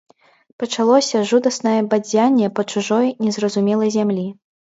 Пачалося жудаснае бадзянне па чужой, незразумелай зямлі.